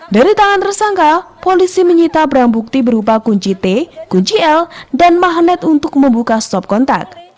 dari tangan tersangka polisi menyita barang bukti berupa kunci t kunci l dan magnet untuk membuka stop kontak